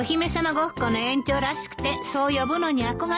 ごっこの延長らしくてそう呼ぶのに憧れてるんですって。